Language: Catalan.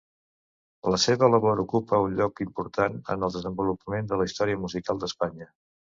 La seva labor ocupa un lloc important en el desenvolupament de la història musical d'Espanya.